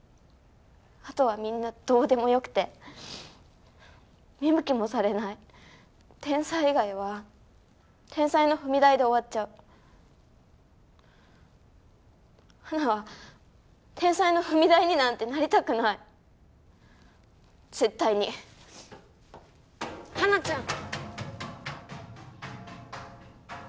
あとはみんなどうでもよくて見向きもされない天才以外は天才の踏み台で終わっちゃうハナは天才の踏み台になんてなりたくない絶対にハナちゃん